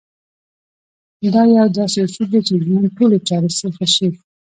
دا يو داسې اصول دی چې ژوند ټولې چارې سيخې شي.